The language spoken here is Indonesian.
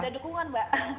nggak ada dukungan mbak